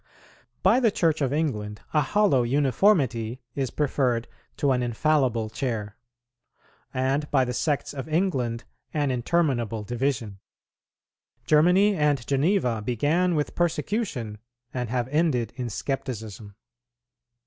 By the Church of England a hollow uniformity is preferred to an infallible chair; and by the sects of England, an interminable division. Germany and Geneva began with persecution, and have ended in scepticism.